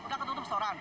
udah ketutup storan